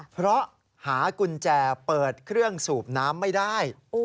เพราะหากุญแจเปิดเครื่องสูบน้ำไม่ได้